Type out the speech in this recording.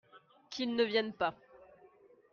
Qu'ils ne viennent pas